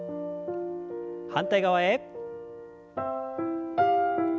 反対側へ。